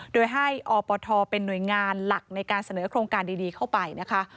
โดยให้อปทเป็นหน่วยงานหลักในการเสนอโครงการดีเข้าไปนะคะ